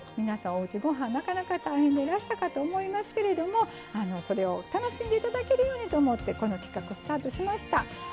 皆さんおうちごはんなかなか大変でいらしたかと思いますけれどもそれを楽しんで頂けるようにと思ってこの企画スタートしました。